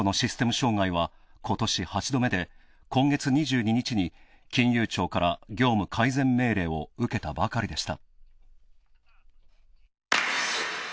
障害はことし８度目で今月２２日に金融庁から業務改善命令を受けたばかりでした。